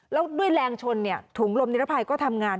แล้วด้วยแรงชนถุงลมนิรภัยก็ทำงาน